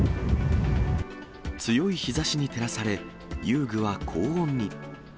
強い日ざしに照らされ、遊具は高温に。